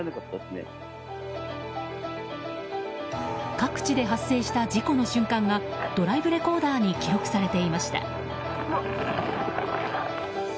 各地で発生した事故の瞬間がドライブレコーダーに記録されていました。